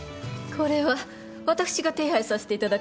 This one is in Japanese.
これは私が手配させていただくわ。